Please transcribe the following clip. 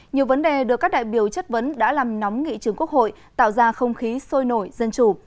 nhiều vấn đề được các đại biểu chất vấn đã làm nóng nghị trường quốc hội tạo ra không khí sôi nổi dân chủ